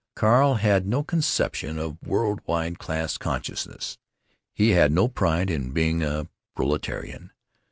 Carl had no conception of world wide class consciousness; he had no pride in being a proletarian.